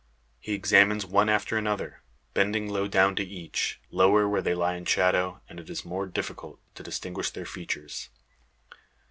He examines one after another, bending low down to each lower where they lie in shadow, and it is more difficult to distinguish their features.